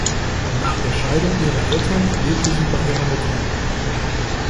Nach der Scheidung ihrer Eltern lebte sie bei ihrer Mutter.